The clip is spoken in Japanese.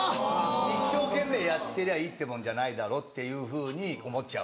一生懸命やってりゃいいってもんじゃないだろうっていうふうに思っちゃう。